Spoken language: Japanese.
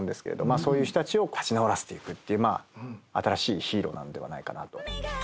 そういう人たちを立ち直らせていくっていう新しいヒーローなのではないかなと。